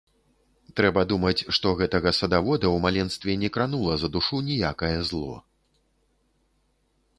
Трэба думаць, што гэтага садавода ў маленстве не кранула за душу ніякае зло.